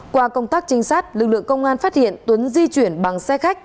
qua công tác trinh sát lực lượng công an phát hiện tuấn di chuyển bằng xe khách